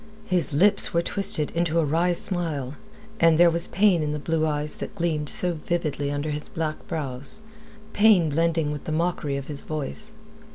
His lips were twisted into a wry smile, and there was pain in the blue eyes that gleamed so vividly under his black brows, pain blending with the mockery of his voice.